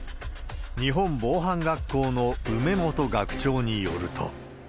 日本防犯学校の梅本学長によると。